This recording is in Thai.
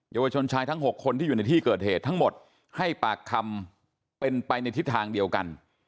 เยาวชนชายทั้ง๖คนที่อยู่ในที่เกิดเหตุทั้งหมดให้ปากคำเป็นไปในทิศทางเดียวกัน